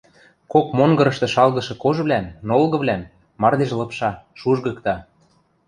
Кок монгырышты шалгышы кожвлӓм, нолгывлӓм мардеж лыпша, шужгыкта.